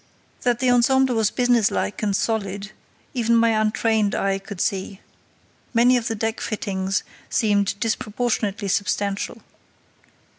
That the ensemble was businesslike and solid even my untrained eye could see. Many of the deck fittings seemed disproportionately substantial.